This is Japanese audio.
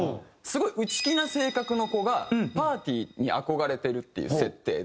すごい内気な性格の子がパーティーに憧れてるっていう設定で。